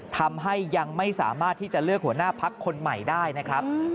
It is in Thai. ทำให้ยังไม่สามารถที่จะเลือกหัวหน้าพักคนใหม่ได้นะครับ